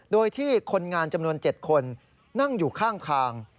โดยที่คนงานจำนวน๗คนนั่งอยู่ข้างทาง